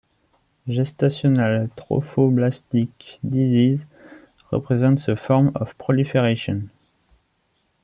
Gestational trophoblastic disease represents a form of proliferation.